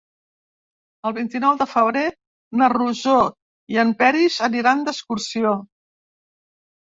El vint-i-nou de febrer na Rosó i en Peris aniran d'excursió.